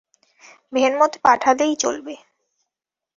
ভেনমোতে পাঠালেই চলবে।